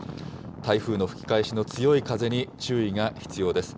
台風の吹き返しの強い風に注意が必要です。